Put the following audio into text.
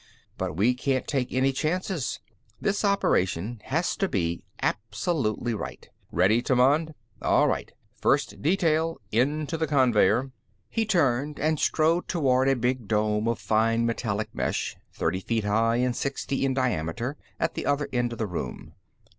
But we can't take any chances. This operation has to be absolutely right. Ready, Tammand? All right; first detail into the conveyer." He turned and strode toward a big dome of fine metallic mesh, thirty feet high and sixty in diameter, at the other end of the room.